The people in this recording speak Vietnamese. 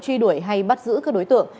truy đuổi hay bắt giữ các đối tượng